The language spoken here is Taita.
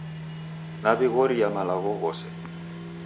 Naw'ighoria malagho ghose